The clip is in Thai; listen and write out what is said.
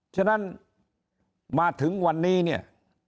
ฉะนั้นมาถึงวันนี้เนี่ย